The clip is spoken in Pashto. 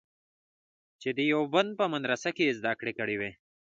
چې د دیوبند په مدرسه کې یې زده کړې کړې دي.